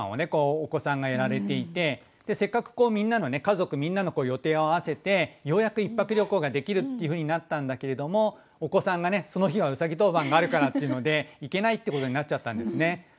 お子さんがやられていてせっかくこうみんなのね家族みんなの予定を合わせてようやく一泊旅行ができるっていうふうになったんだけれどもお子さんがねその日はうさぎ当番があるからっていうので行けないっていうことになっちゃったんですね。